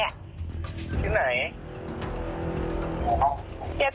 อาจารย์มีคนได้ไปรางวัลที่๑แหละ